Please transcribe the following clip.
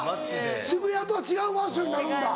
渋谷とは違うファッションになるんだ。